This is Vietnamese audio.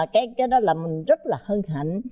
cái đó là mình rất là hân hạnh